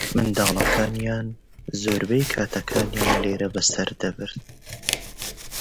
Their children spent most of their time here.